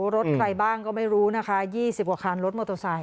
รถใครบ้างก็ไม่รู้นะคะ๒๐กว่าคันรถมอเตอร์ไซค